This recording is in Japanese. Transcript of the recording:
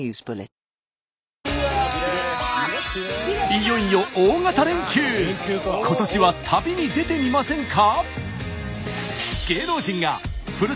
いよいよ今年は旅に出てみませんか？